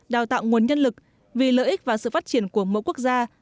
đào tạo nguồn nhân lực vì lợi ích và sự phát triển của mỗi quốc gia